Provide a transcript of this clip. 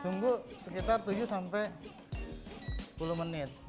tunggu sekitar tujuh sampai sepuluh menit